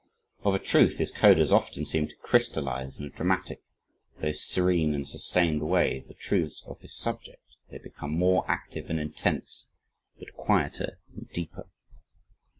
Of a truth his Codas often seem to crystallize in a dramatic, though serene and sustained way, the truths of his subject they become more active and intense, but quieter and deeper.